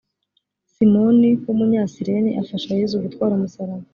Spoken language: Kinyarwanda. simoni w’ umunyasireni afasha yezu gutwara umusaraba